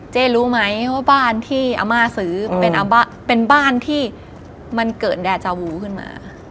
รู้ไหมว่าบ้านที่อาม่าซื้อเป็นบ้านที่มันเกิดแดจาวูขึ้นมา